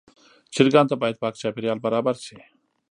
چرګانو ته باید پاک چاپېریال برابر شي.